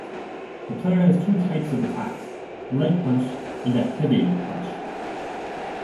The player has two types of attacks: a light punch and a heavy punch.